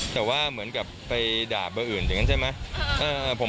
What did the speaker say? แต่ว่าเหมือนกับไปด่าเบอร์อื่นอย่างนั้นใช่ไหม